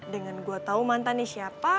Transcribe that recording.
dengan gue tahu mantannya siapa